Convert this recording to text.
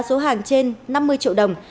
số hàng trên năm mươi triệu đồng